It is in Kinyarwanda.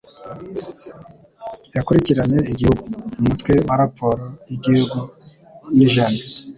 yakurikiranye "Igihugu" mu mutwe wa raporo yigihumbi n’íjana